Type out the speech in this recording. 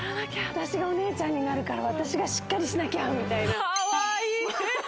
私がお姉ちゃんになるから、私がしっかりしなきゃ！みたいな。